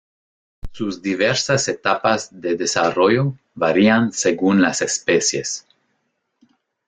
Sus diversas etapas de desarrollo varían según las especies.